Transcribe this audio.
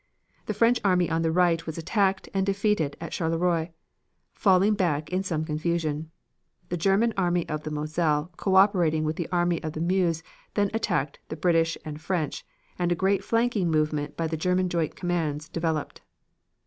The French army on the right was attacked and defeated at Charleroi, falling back in some confusion. The German Army of the Moselle co operating with the Army of the Meuse then attacked the British and French, and a great flanking movement by the German joint commands developed.